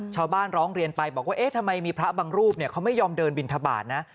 ชาวบ้านร้องเรียนไปบอกว่าทำไมมีพระบางรูปเขาไม่ยอมเดินบิณฑบาตนะ